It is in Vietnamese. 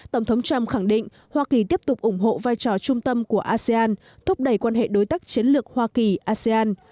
tổng thống trump khẳng định hoa kỳ tiếp tục ủng hộ vai trò trung tâm của asean thúc đẩy quan hệ đối tác chiến lược hoa kỳ asean